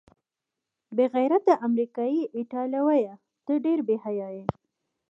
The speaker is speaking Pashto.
بې غیرته امریکايي ایټالویه، ته ډېر بې حیا یې.